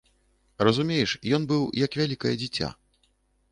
Разумееш, ён быў як вялікае дзіця.